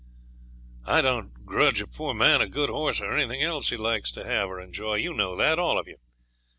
'I don't grudge a poor man a good horse or anything else he likes to have or enjoy. You know that, all of you.